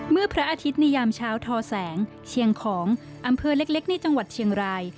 พระอาทิตย์ในยามเช้าทอแสงเชียงของอำเภอเล็กในจังหวัดเชียงราย